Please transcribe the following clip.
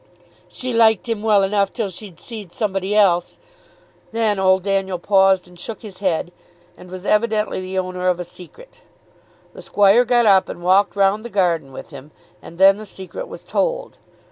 "She liked him well enough till she'd seed somebody else." Then old Daniel paused, and shook his head, and was evidently the owner of a secret. The squire got up and walked round the garden with him, and then the secret was told.